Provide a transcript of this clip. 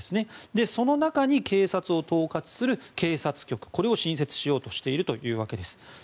その中に警察を統括する警察局を新設しようとしているわけです。